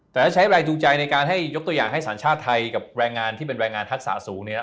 แต่ถ้าใช้แรงจูงใจในการให้ยกตัวอย่างให้สัญชาติไทยกับแรงงานที่เป็นแรงงานทักษะสูงเนี่ย